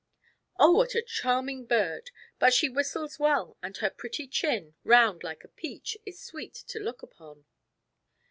"Oh, what a charming bird; but she whistles well and her pretty chin, round like a peach, is sweet to look upon."